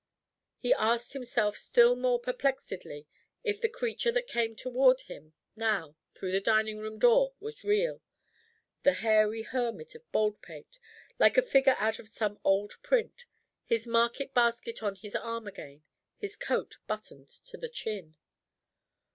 He asked himself still more perplexedly if the creature that came toward him now through the dining room door was real the hairy Hermit of Baldpate, like a figure out of some old print, his market basket on his arm again, his coat buttoned to the chin.